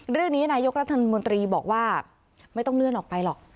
เรื่องนี้นายกรัฐมนตรีบอกว่าไม่ต้องเลื่อนออกไปหรอก